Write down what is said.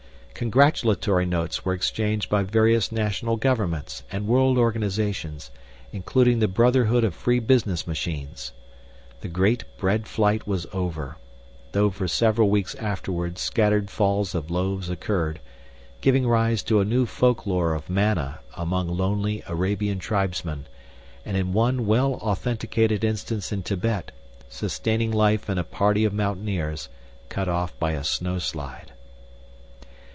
Congratulatory notes were exchanged by various national governments and world organizations, including the Brotherhood of Free Business Machines. The great bread flight was over, though for several weeks afterward scattered falls of loaves occurred, giving rise to a new folklore of manna among lonely Arabian tribesmen, and in one well authenticated instance in Tibet, sustaining life in a party of mountaineers cut off by a snow slide.